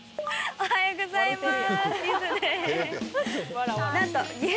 おはようございます！